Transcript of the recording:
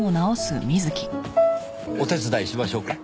お手伝いしましょうか？